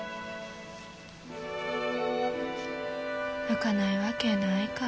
泣かないわけないか。